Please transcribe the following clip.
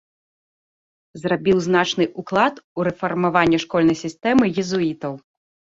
Зрабіў значны ўклад у рэфармаванне школьнай сістэмы езуітаў.